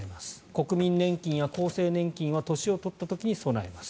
国民年金や厚生年金は年を取った時に備えます。